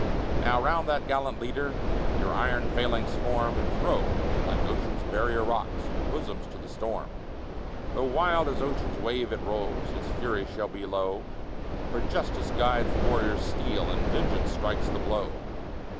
Now round that gallant leader Your iron phalanx form, And throw, like Ocean's barrier rocks, Your bosoms to the storm. Though wild as Ocean's wave it rolls, Its fury shall be low, For justice guides the warrior's steel, And vengeance strikes the blow.